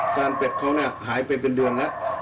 เป็ดเขาน่ะหายไปเป็นเดือนแล้ว